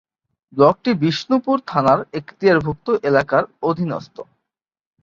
ব্লকটি বিষ্ণুপুর থানার এক্তিয়ারভুক্ত এলাকার অধীনস্থ।